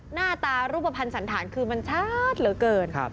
หน้าตารูปภัณฑ์สันธารคือมันชัดเหลือเกิน